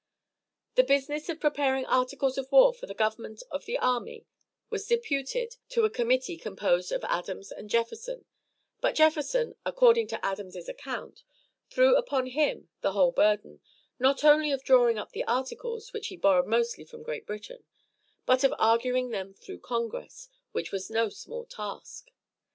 The business of preparing articles of war for the government of the army was deputed to a committee composed of Adams and Jefferson; but Jefferson, according to Adams' account, threw upon him the whole burden, not only of drawing up the articles, which he borrowed mostly from Great Britain, but of arguing them through Congress, which was no small task.